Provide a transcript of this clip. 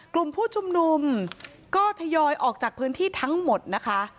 กลุ่มผู้ชุมนุมก็ทยอยออกจากพื้นที่ทั้งหมดนะคะ